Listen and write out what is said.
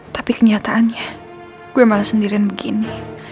tapi kenyataannya gue malah sendirian begini